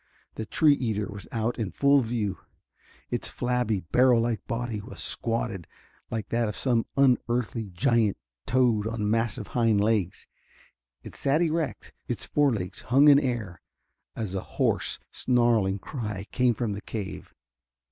The tree eater was out in full view. Its flabby, barrel like body was squatted like that of some unearthly, giant toad, on massive hind legs. It sat erect, its forelegs hung in air, as a hoarse, snarling cry came from the cave.